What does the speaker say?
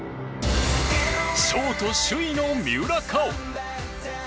ショート首位の三浦佳生。